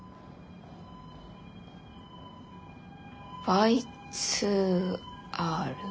Ｙ２Ｒ。